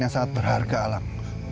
yang sangat berharga alam